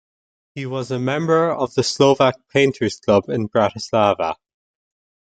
He was a member of the Slovak painters club in Bratislava.